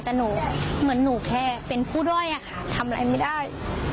แต่หนูเหมือนหนูแค่เป็นผู้ด้อยอะค่ะทำอะไรไม่ได้